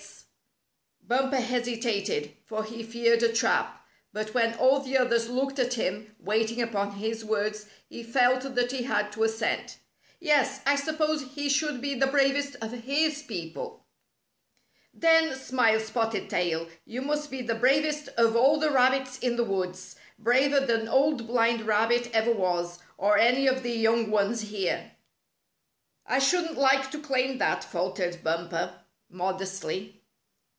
44 A Test of Courage ^45 Bumper hesitated, for he feared a trap; but when all the others looked at him, waiting upon his words, he felt that he had to assent. ''Yes, I suppose he should be the bravest of his people." " Then," smiled Spotted Tail, " you must be the bravest of all the rabbits in the woods — braver than Old Blind Rabbit ever was, or any of the young ones here." " I shouldn't like to claim that," faltered Bumper, modestly.